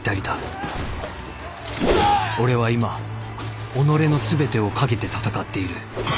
俺は今己の全てをかけて戦っている。